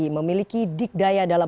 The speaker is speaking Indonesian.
memiliki dikdaya dalam